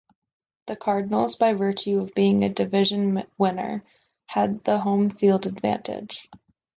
The Cardinals, by virtue of being a division winner, had the home field advantage.